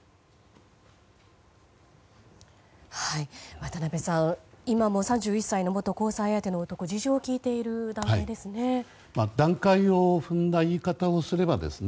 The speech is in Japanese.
渡辺さん、今も３１歳の元交際相手の男に事情を聴いてる段階ですね。